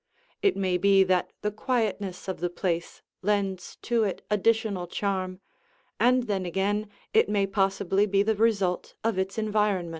It may be that the quietness of the place lends to it additional charm, and then again it may possibly be the result of its environment.